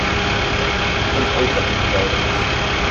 Ik denk ook dat het niet nodig is.